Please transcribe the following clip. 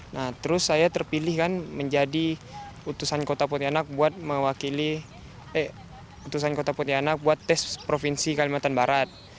nah terus saya terpilih kan menjadi utusan kota pontianak buat mewakili eh utusan kota pontianak buat tes provinsi kalimantan barat